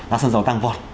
giá xăng dầu tăng vọt